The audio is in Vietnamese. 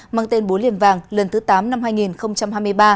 mang tên bố liềm vàng lần thứ tám năm hai nghìn hai mươi ba